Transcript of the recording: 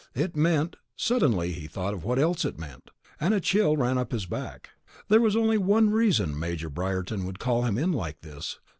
It meant.... Suddenly he thought of what else it meant, and a chill ran up his back. There was only one reason Major Briarton would call him in like this.